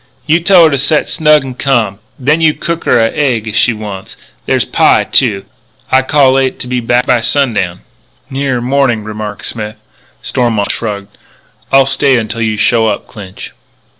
You tell her to set snug and ca'm. Then you cook her a egg if she wants it. There's pie, too. I cal'late to be back by sundown." "Nearer morning," remarked Smith. Stormont shrugged. "I'll stay until you show up, Clinch."